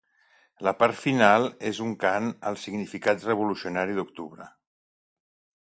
La part final és un cant al significat revolucionari d'octubre.